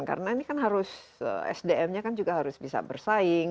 karena ini kan harus sdm nya kan juga harus bisa bersaing